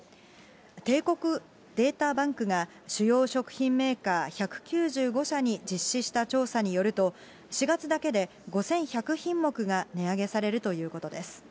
帝国データバンクが、主要食品メーカー１９５社に実施した調査によると、４月だけで５１００品目が値上げされるということです。